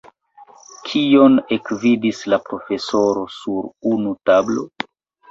Kion ekvidis la profesoro sur unu tablo?